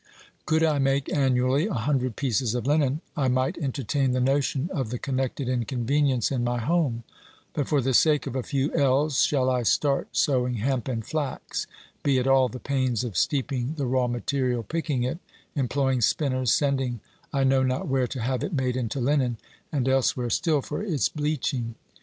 Could I make annually a hundred pieces of linen, I might entertain the notion of the connected inconvenience in my home ; but for the sake of a few ells shall I start sowing hemp and flax, be at all the pains of steeping the raw material, picking it, employing spinners, sending, I know not where, to have it made into linen, and elsewhere still for its bleaching?